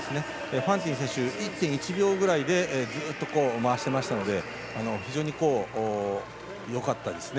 ファンティン選手１．１秒ぐらいでずっと回していましたので非常によかったですね。